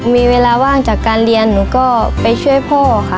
มีเวลาว่างจากการเรียนหนูก็ไปช่วยพ่อค่ะ